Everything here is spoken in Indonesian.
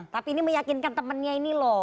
tapi ini meyakinkan temennya ini loh